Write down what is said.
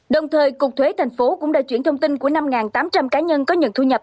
đồng thời cục thuế thành phố cũng đã chuyển thông tin của năm tám trăm linh cá nhân có nhận thu nhập